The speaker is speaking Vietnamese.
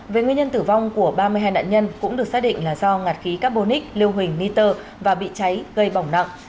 về nguyên nhân tử vong của ba mươi hai nạn nhân cũng được xác định là do ngạt khí carbonic lưu hình niter và bị cháy gây bỏng nặng